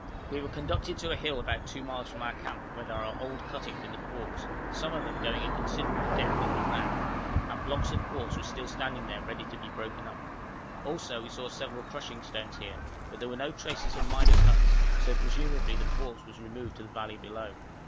We were conducted to a hill about two miles from our camp, where there are old cuttings in the quartz, some of them going a considerable depth underground, and blocks of quartz were still standing there ready to be broken up; also we saw several crushing stones here, but there were no traces of miners' huts, so presumably the quartz was removed to the valley below.